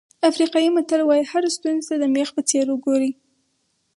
افریقایي متل وایي هرې ستونزې ته د مېخ په څېر وګورئ.